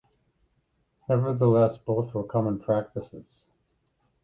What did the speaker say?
Nevertheless, both were common practices.